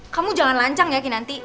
kamu jangan lancang ya kinanti